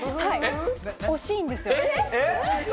惜しいんです。